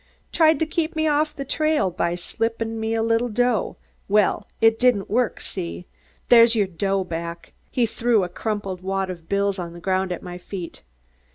Tried to keep me off the track by slippin' me a little dough. Well, it didn't work, see? There's your dough back." He threw a crumpled wad of bills on the ground at my feet.